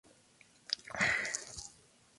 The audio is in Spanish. Ellos son el hábitat de este pez.